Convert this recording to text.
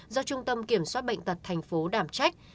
do trung tâm kiểm soát bệnh tật tp hcm đảm trách